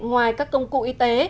ngoài các công cụ y tế